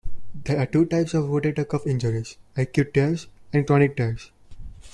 There are two types of rotator cuff injuries: acute tears and chronic tears.